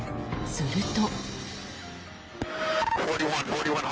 すると。